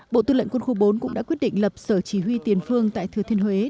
bộ tư lệnh quân khu bốn cũng đã quyết định lập sở chỉ huy tiền phương tại thừa thiên huế